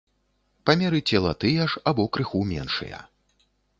Памеры цела тыя ж або крыху меншыя.